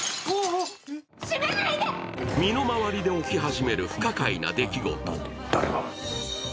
身の回りで起き始める不可解な出来事。